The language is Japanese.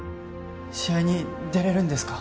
試合に出れるんですか？